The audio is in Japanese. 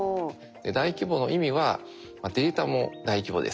大規模の意味は「データも大規模です」と。